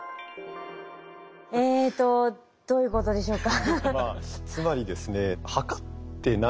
えとどういうことでしょうか？